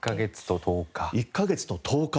１カ月と１０日。